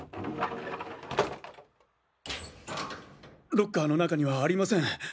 ロッカーの中にはありません。